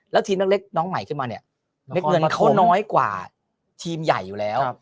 แล้วทีมเล็กน้องใหม่ขึ้นมาเนี่ยเม็ดเงินเขาน้อยกว่าทีมใหญ่อยู่แล้ว